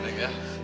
ini tuh jangan lupa